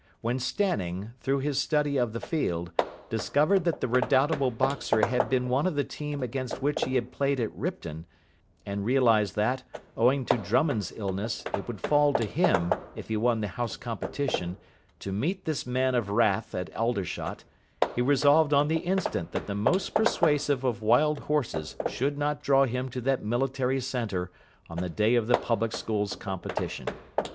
When Stanning, through his study of the Field, discovered that the redoubtable boxer had been one of the team against which he had played at Ripton, and realised that, owing to Drummond's illness, it would fall to him, if he won the House Competition, to meet this man of wrath at Aldershot, he resolved on the instant that the most persuasive of wild horses should not draw him to that military centre on the day of the Public Schools Competition.